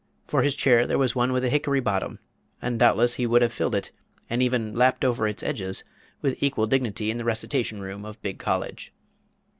For his chair there was one with a hickory bottom; and doubtless he would have filled it, and even lapped over its edges, with equal dignity in the recitation room of Big College.